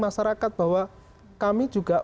masyarakat bahwa kami juga